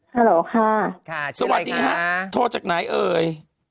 ฮัลโหลค่ะชื่ออะไรค่ะโทรจากไหนเอ่ย